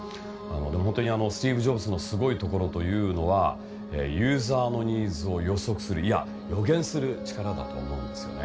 でもホントにスティーブ・ジョブズのすごいところというのはユーザーのニーズを予測するいや予言する力だと思うんですよね。